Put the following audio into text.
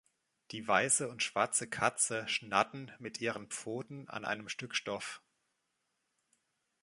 Die weiße und schwarze Katze scharrten mit ihren Pfoten an einem Stück Stoff.